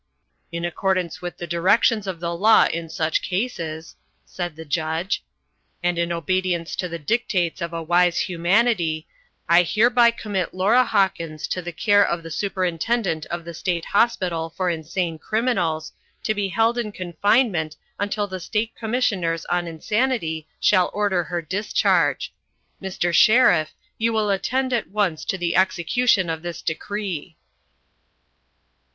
"In accordance with the directions of the law in such cases," said the Judge, "and in obedience to the dictates of a wise humanity, I hereby commit Laura Hawkins to the care of the Superintendent of the State Hospital for Insane Criminals, to be held in confinement until the State Commissioners on Insanity shall order her discharge. Mr. Sheriff, you will attend at once to the execution of this decree."